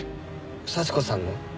幸子さんの？